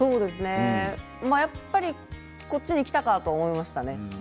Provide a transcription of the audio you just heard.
やっぱりこっちにきたかと思いましたね。